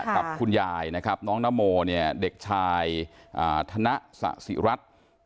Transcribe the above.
กับคุณยายนะครับน้องนโมเนี่ยเด็กชายธนสะสิรัฐ